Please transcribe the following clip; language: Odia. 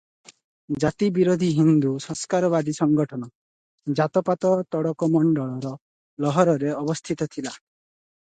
"ଜାତି ବିରୋଧୀ ହିନ୍ଦୁ ସଂସ୍କାରବାଦୀ ସଂଗଠନ "ଜାତ-ପାତ ତୋଡ଼କ ମଣ୍ଡଳ"ର ଲାହୋରରେ ଅବସ୍ଥିତ ଥିଲା ।"